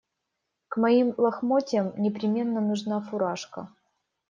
К моим лохмотьям непременно нужна фуражка.